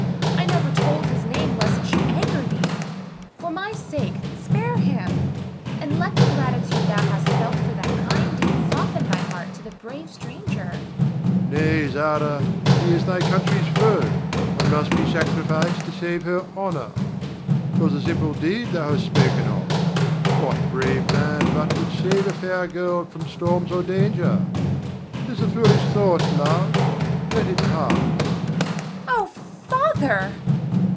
I never told his name lest it should anger thee. For my sake spare him, and let the gratitude thou hast felt for that kind deed soften thy heart to the brave stranger. Ber. Nay, Zara! He is thy country's foe, and must be sacrificed to save her honor. 'Twas a simple deed thou hast spoken of. What brave man but would save a fair girl from storms or danger? 'Tis a foolish thought, love; let it pass. Zara. Oh, Father!